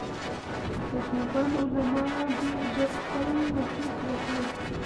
د دیوبند علماوو ډېر ژر خپل نفوذ وکړ.